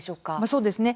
そうですね。